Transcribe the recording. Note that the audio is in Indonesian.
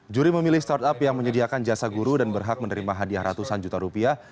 juri memilih startup yang menyediakan jasa guru dan berhak menerima hadiah ratusan juta rupiah